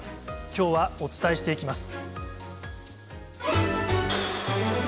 きょうはお伝えしていきます。